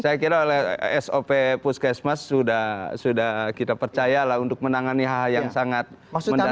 saya kira oleh sop puskesmas sudah kita percayalah untuk menangani hal hal yang sangat mendasar